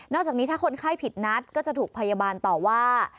จากนี้ถ้าคนไข้ผิดนัดก็จะถูกพยาบาลต่อว่า